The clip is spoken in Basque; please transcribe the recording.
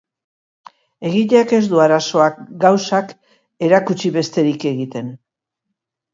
Egileak ez du arazoak, gauzak, erakutsi besterik egiten.